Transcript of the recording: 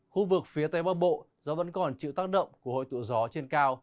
khu vực phía tây bắc bộ do vẫn còn chịu tác động của hội tụ gió trên cao